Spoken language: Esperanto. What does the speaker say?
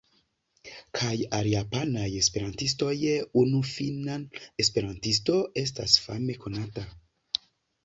Kaj al japanaj esperantistoj, unu finna esperantisto estas fame konata.